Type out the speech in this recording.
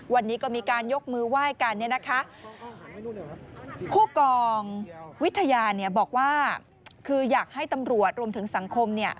วิทยาบอกว่าคืออยากให้ตำรวจรวมถึงสังคม